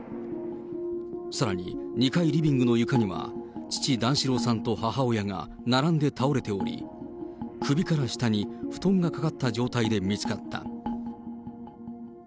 さらに２階リビングの床には、父、段四郎さんと母親が並んで倒れており、首から下に布団がかかった状態で見つかった。